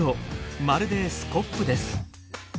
まるでスコップです。